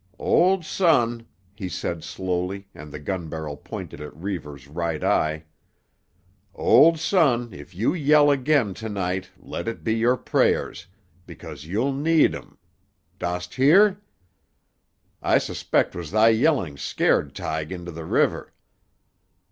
"Old son," he said slowly, and the gun barrel pointed at Reivers' right eye, "old son, if you yell again tonight let it be your prayers, because you'll need 'em. Dost hear? I suspect 'twas thy yelling scared Tige into the river.